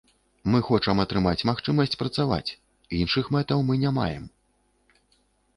Мы хочам атрымаць магчымасць працаваць, іншых мэтаў мы не маем.